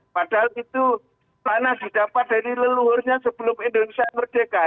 padahal itu tanah didapat dari leluhurnya sebelum indonesia merdeka